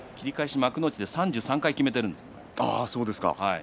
幕内で３３回、きめているんです。